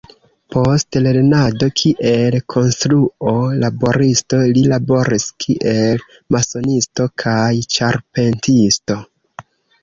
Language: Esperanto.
Post lernado kiel konstruo-laboristo, li laboris kiel masonisto kaj ĉarpentisto.